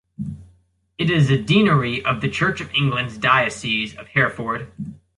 It is a deanery of the Church of England's Diocese of Hereford.